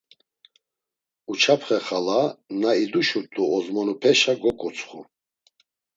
Uçapxe xala, na iduşurt̆u ozmonupeşa goǩutsxu.